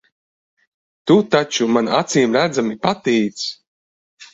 Tu taču man acīmredzami patīc.